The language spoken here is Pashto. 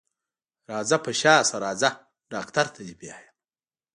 راځه په شا شه راځه ډاکټر ته دې بيايمه.